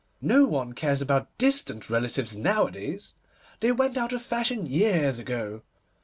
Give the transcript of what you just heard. No one cares about distant relatives nowadays. They went out of fashion years ago.